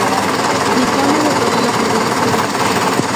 Dispone de todos los servicios turísticos.